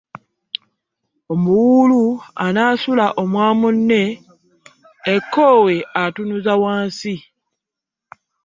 Omuwuulu anaasula omwa munne, enkowe atunuza wansi.